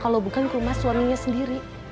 kalau bukan ke rumah suaminya sendiri